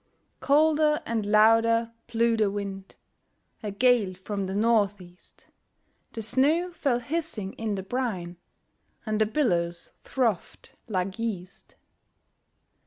Colder and louder blew the wind, A gale from the North east; The snow fell hissing in the brine, And the billows frothed like yeast.